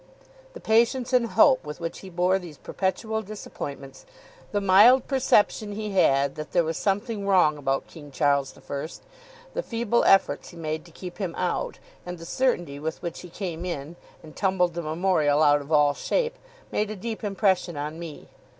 The patience and hope with which he bore these perpetual disappointments, the mild perception he had that there was something wrong about King Charles the First, the feeble efforts he made to keep him out, and the certainty with which he came in, and tumbled the Memorial out of all shape, made a deep impression on me.